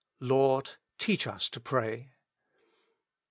''Lord, teach us to pray."